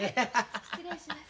失礼します。